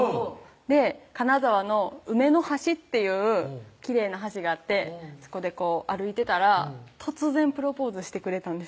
で金沢の梅ノ橋っていうきれいな橋があってそこで歩いてたら突然プロポーズしてくれたんです